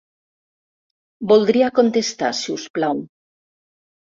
Voldria contestar, si us plau.